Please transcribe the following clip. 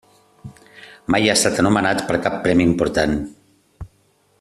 Mai ha estat anomenat per a cap premi important.